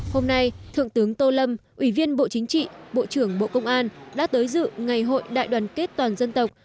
hôm nay thượng tướng tô lâm ủy viên bộ chính trị bộ trưởng bộ công an đã tới dự ngày hội đại đoàn kết toàn dân tộc